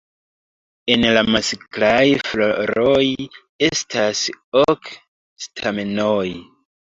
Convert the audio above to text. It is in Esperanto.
En la masklaj floroj estas ok stamenoj.